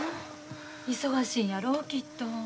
忙しいんやろきっと。